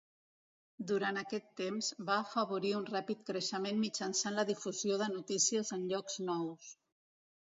Durant aquest temps, va afavorir un ràpid creixement mitjançant la difusió de notícies en llocs nous.